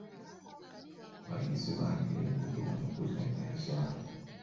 Abayizi bangi beenyigira mu kuzannya zzaala.